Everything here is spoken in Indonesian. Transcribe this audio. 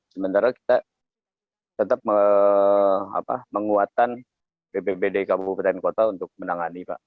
sementara kita tetap menguatkan bpbd kabupaten kota untuk menangani pak